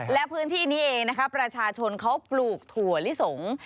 และพื้นที่นี้เองนะคะประชาชนเขาปลูกถั่วลิสง